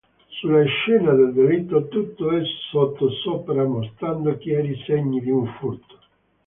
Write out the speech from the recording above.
Sulla scena del delitto tutto è sottosopra, mostrando chiari segni di un furto.